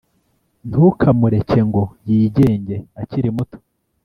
ntukamureke ngo yigenge akiri muto